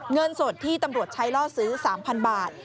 เงินสดที่ตำรวจใช้ล่อซื้อ๓๐๐บาท